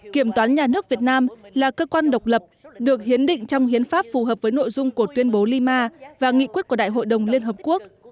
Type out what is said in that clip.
kiểm toán nhà nước việt nam là cơ quan độc lập được hiến định trong hiến pháp phù hợp với nội dung của tuyên bố lima và nghị quyết của đại hội đồng liên hợp quốc